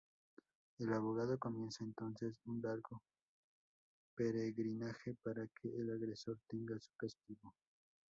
El abogado comienza entonces un largo peregrinaje para que el agresor tenga su castigo.